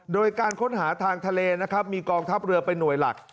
โดยการค้นหาทางทะเลนะครับมีกองทัพเรือเป็นหน่วยหลัก